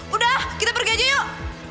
udah kita pergi aja yuk